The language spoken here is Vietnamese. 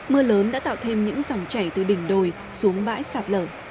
mưa lớn đã tạo thêm những dòng chảy từ đỉnh đồi xuống bãi sạt lở